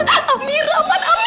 amirah man amirah